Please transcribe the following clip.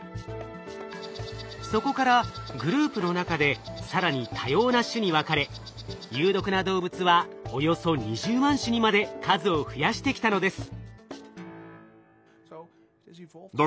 そこからグループの中で更に多様な種に分かれ有毒な動物はおよそ２０万種にまで数を増やしてきたのです。